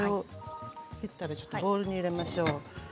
切ったらボウルに入れましょう。